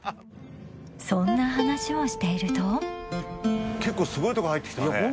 そんな話をしていると結構すごいとこ入ってきたね。